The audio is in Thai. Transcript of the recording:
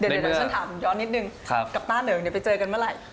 เดี๋ยวฉันถามย้อนนิดนึงกับป้าเหนิงไปเจอกันเมื่อไหร่